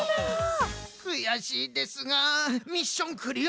くやしいですがミッションクリアでございます！